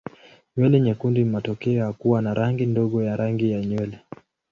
Nywele nyekundu ni matokeo ya kuwa na rangi ndogo ya rangi ya nywele.